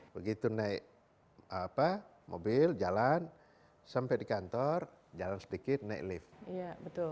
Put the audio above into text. begitu naik mobil jalan sampai di kantor jalan sedikit naik lift